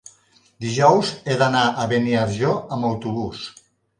Dijous he d'anar a Beniarjó amb autobús.